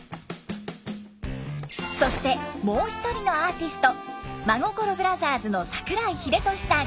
そしてもう一人のアーティスト真心ブラザーズの桜井秀俊さん。